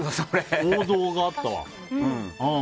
王道があったわ。